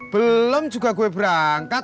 belum juga saya berangkat